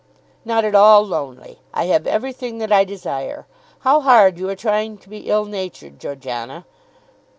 "Not at all lonely. I have everything that I desire. How hard you are trying to be ill natured, Georgiana."